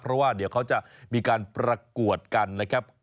เพราะว่าเดี๋ยวเขาจะมีการประกวดกันนะครับ